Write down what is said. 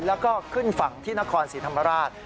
แล้วก็ขึ้นฝั่งที่นครศรีธรรมราช